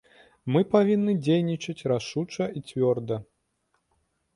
Мы павінны дзейнічаць рашуча і цвёрда.